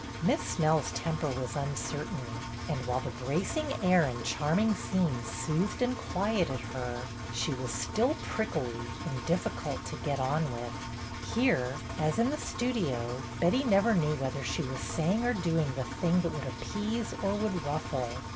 Miss Snell's temper was uncertain, and while the bracing air and charming scenes soothed and quieted her, she was still prickly MISS SNELL'S VISIT 275 and difficult to get on with. Here, as in the Studio, Betty never knew whether she was saying or doing the thing that would appease or would ruffle.